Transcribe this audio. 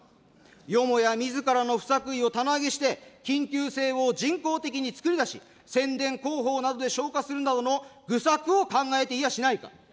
よもやみずからの不作為を棚上げして、緊急性を人工的に作り出し、宣伝広報などで消化するなどの愚策を考えていやしないか。